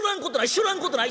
知らんことない。